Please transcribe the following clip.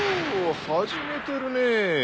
始めてるね。